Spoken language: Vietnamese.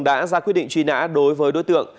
đã ra quyết định truy nã đối với đối tượng